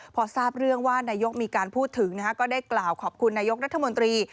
พอทราบเรื่องว่านายกมีการพูดถึงก็ได้กล่าวขอบคุณนายกรัฐมนตรี